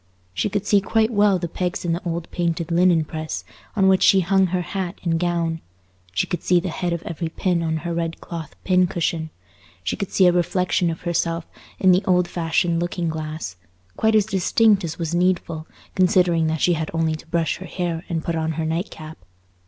She could see quite well the pegs in the old painted linen press on which she hung her hat and gown; she could see the head of every pin on her red cloth pin cushion; she could see a reflection of herself in the old fashioned looking glass, quite as distinct as was needful, considering that she had only to brush her hair and put on her night cap.